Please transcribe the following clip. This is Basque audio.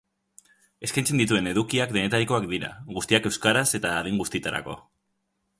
Eskaintzen dituen edukiak denetarikoak dira, guztiak euskaraz eta adin guztietarako.